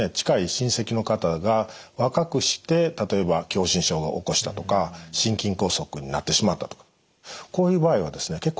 近い親戚の方が若くして例えば狭心症を起こしたとか心筋梗塞になってしまったとかこういう場合はですね